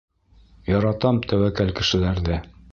Яратам тәүәккәл кешеләрҙе.